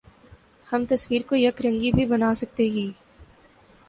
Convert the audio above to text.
ہم تصویر کو یک رنگی بھی بنا سکتے ہی